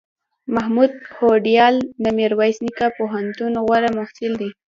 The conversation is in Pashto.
محمود هوډیال دمیرویس نیکه پوهنتون غوره محصل دی